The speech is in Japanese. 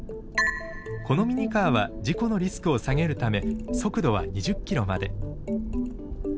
このミニカーは事故のリスクを下げるため速度は２０ｋｍまで。